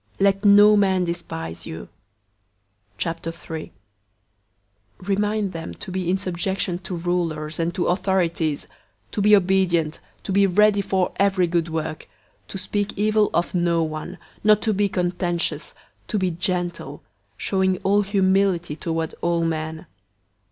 Let no man despise you. 003:001 Remind them to be in subjection to rulers and to authorities, to be obedient, to be ready for every good work, 003:002 to speak evil of no one, not to be contentious, to be gentle, showing all humility toward all men.